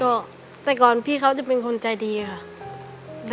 ก็แต่ก่อนพี่เขาจะเป็นคนใจดีค่ะ